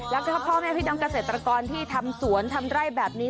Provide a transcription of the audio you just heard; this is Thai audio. แล้วก็พ่อแม่พี่น้องเกษตรกรที่ทำสวนทำไร่แบบนี้